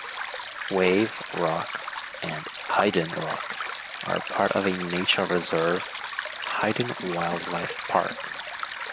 Wave Rock and Hyden Rock are part of a nature reserve, Hyden Wildlife Park.